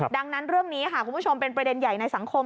ดังนั้นเรื่องนี้ค่ะคุณผู้ชมเป็นประเด็นใหญ่ในสังคม